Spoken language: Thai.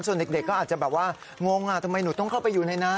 ส่วนเด็กก็อาจจะแบบว่างงทำไมหนูต้องเข้าไปอยู่ในน้ำ